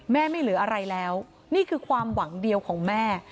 ไม่เหลืออะไรแล้วนี่คือความหวังเดียวของแม่